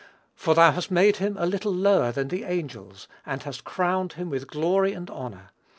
For thou hast made him a little lower than the angels, and hast crowned him with glory and honor.